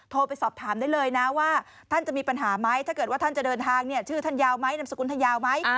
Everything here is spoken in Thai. ไปสอบถามได้เลยนะว่าท่านจะมีปัญหาไหมถ้าเกิดว่าท่านจะเดินทางเนี่ยชื่อท่านยาวไหมนามสกุลท่านยาวไหม